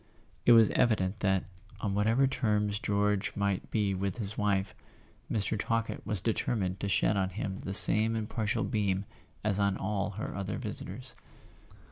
It was evident that, on whatever terms George might be with his wife, Mr. Talkett was determined to shed on him the same impartial beam as on all her other visitors.